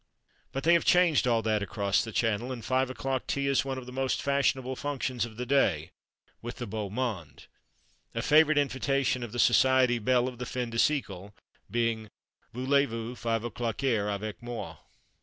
But they have changed all that across the Channel, and five o'clock tea is one of the most fashionable functions of the day, with the beau monde; a favourite invitation of the society belle of the fin de siècle being: "_Voulex vous fivoclocquer avec moi?